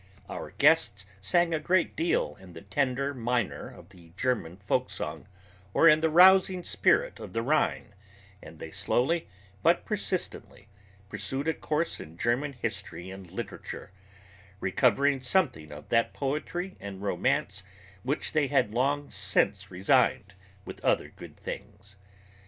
Our guests sang a great deal in the tender minor of the German folksong or in the rousing spirit of the Rhine, and they slowly but persistently pursued a course in German history and literature, recovering something of that poetry and romance which they had long since resigned with other good things.